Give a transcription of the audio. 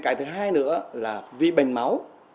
cái thứ hai nữa là vì bệnh máu